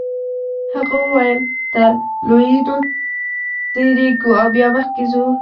هغه وویل تر لویینو تیریږو او بیا مخکې ځو.